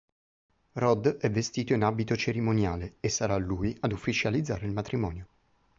Rod è vestito in abito cerimoniale e sarà lui ad ufficializzare il matrimonio.